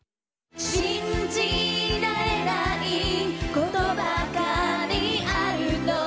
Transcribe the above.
「信じられないことばかりあるの」